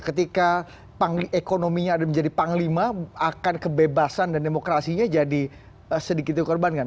ketika ekonominya ada menjadi panglima akan kebebasan dan demokrasinya jadi sedikit dikorbankan